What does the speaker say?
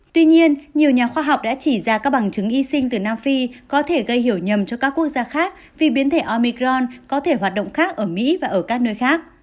tuy nhiên nhiều nhà khoa học đã chỉ ra các bằng chứng y sinh từ nam phi có thể gây hiểu nhầm cho các quốc gia khác vì biến thể omicron có thể hoạt động khác ở mỹ và ở các nơi khác